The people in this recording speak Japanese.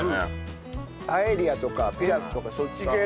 パエリヤとかピラフとかそっち系の味。